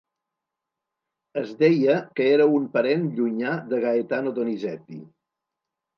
Es deia que era un parent llunyà de Gaetano Donizetti.